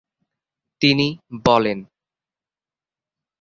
তিনি বলেন।